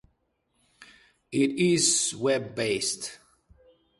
It is web-based.